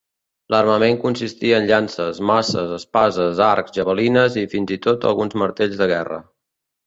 L'armament consistia en llances, maces, espases, arcs, javelines i fins i tot alguns martells de guerra.